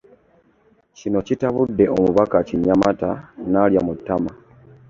Kino kitabudde omubaka Kinyamata n'alya mu ttama.